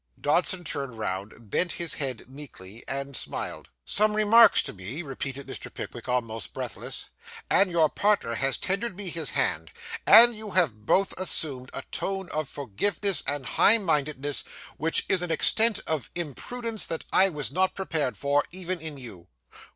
Dodson turned round, bent his head meekly, and smiled. 'Some remarks to me,' repeated Mr. Pickwick, almost breathless; 'and your partner has tendered me his hand, and you have both assumed a tone of forgiveness and high mindedness, which is an extent of impudence that I was not prepared for, even in you.